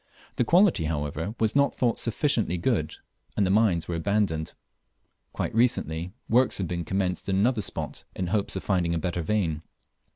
The quality, however, was not thought sufficiently good, and the mines were abandoned. Quite recently, works had been commenced in another spot, in Hopes of finding a better vein.